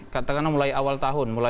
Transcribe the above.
katakanlah mulai awal tahun